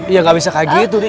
ya nggak bisa kayak gitu nih